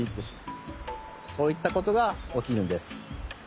そういったことがおきるんです。